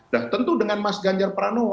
nah tentu dengan mas ganjar pranowo